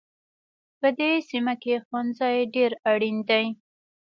په دې سیمه کې ښوونځی ډېر اړین دی